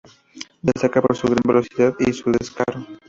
Destaca por su gran velocidad y su descaro.